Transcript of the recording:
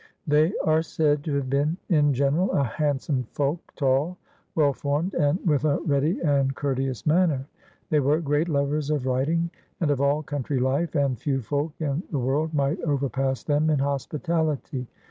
They are said to have been in general a handsome folk, tall, well formed, and with a ready and courteous manner. They were great lovers of riding, and of all country life, and few folk in the world might overpass them in hospitality.